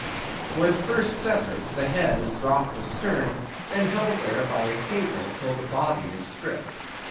When first severed, the head is dropped astern and held there by a cable till the body is stripped.